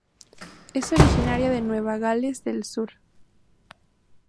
Es originaria Nueva Gales del Sur.